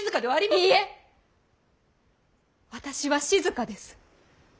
いいえ私は静です。